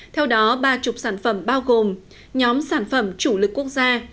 theo đó ba mươi sản phẩm bao gồm nhóm sản phẩm chủ lực quốc gia